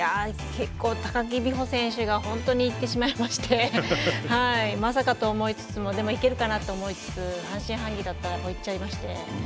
結構、高木美帆選手が本当に行ってしまいましてまさかと思いつつもでも行けるかなと思いつつ半信半疑だったらもう行っちゃいまして。